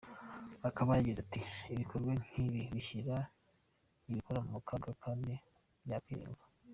Akaba yagize ati “Ibikorwa nk’ibi bishyira ubikora mu kaga kandi byakwirindwa.